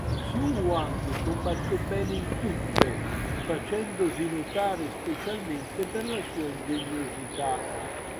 Xu Huang combatté bene in tutte, facendosi notare specialmente per la sua ingegnosità.